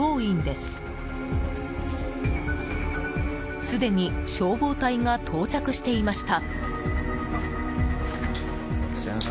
すでに消防隊が到着していました。